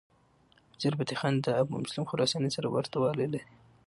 وزیرفتح خان د ابومسلم خراساني سره ورته والی لري.